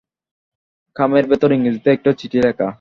খামের ভেতর ইংরেজিতে একটা চিঠি লেখা।